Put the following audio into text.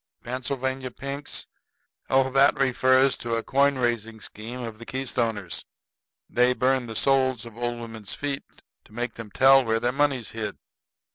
"Pennsylvania pinks? Oh, that refers to a coin raising scheme of the Keystoners. They burn the soles of old women's feet to make them tell where their money's hid."